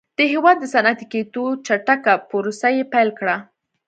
د هېواد د صنعتي کېدو چټکه پروسه یې پیل کړه